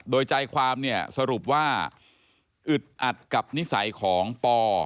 โดยใจความเนี่ยสรุปว่าอึดอัดกับนิสัยของปอ